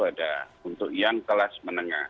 ada untuk yang kelas menengah